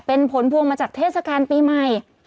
เป็นผลพวงมาจากเทศกาลปีใหม่